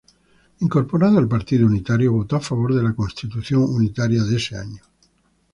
Incorporado al partido unitario, votó a favor de la constitución unitaria de ese año.